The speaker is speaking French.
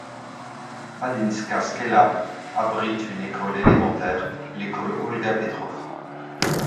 Padinska Skela abrite une école élémentaire, l'école Olga Petrov.